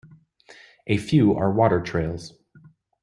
A few are water trails.